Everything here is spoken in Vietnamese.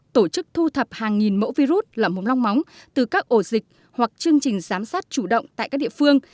tổ chức thu thập hàng nghìn mẫu virus lở mồm long móng từ các ổ dịch hoặc chương trình giám sát chủ động tại các địa phương